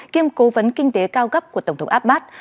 kiêm cố vấn kinh tế cao gấp của tổng thống abbas